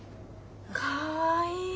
かわいい。